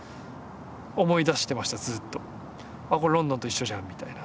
「あっこれロンドンと一緒じゃん」みたいな。